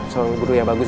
seorang guru yang bagus